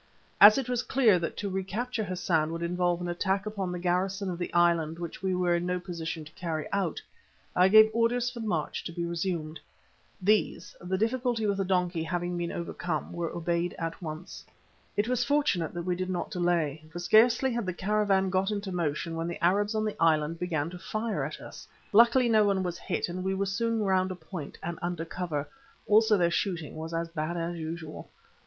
As it was clear that to recapture Hassan would involve an attack upon the garrison of the island which we were in no position to carry out, I gave orders for the march to be resumed. These, the difficulty with the donkey having been overcome, were obeyed at once. It was fortunate that we did not delay, for scarcely had the caravan got into motion when the Arabs on the island began to fire at us. Luckily no one was hit, and we were soon round a point and under cover; also their shooting was as bad as usual.